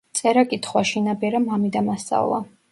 წერა-კითხვა შინაბერა მამიდამ ასწავლა.